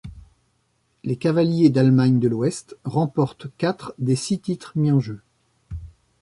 Les cavaliers d'Allemagne de l'Ouest remportent quatre des six titres mis en jeu.